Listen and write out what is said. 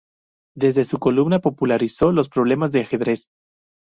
Desde su columna, popularizó los problemas de ajedrez.